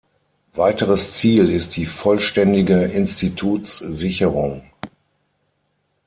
Weiteres Ziel ist die vollständige Institutssicherung.